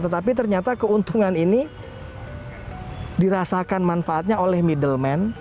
tetapi ternyata keuntungan ini dirasakan manfaatnya oleh middleman